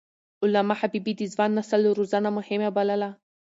علامه حبيبي د ځوان نسل روزنه مهمه بلله.